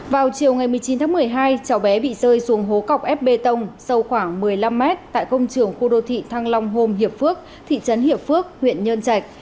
vào chiều ngày một mươi chín tháng một mươi hai cháu bé bị rơi xuống hố cọc ép bê tông sâu khoảng một mươi năm m tại công trường khu đô thị thăng long hồ hiệp phước thị trấn hiệp phước huyện nhơn trạch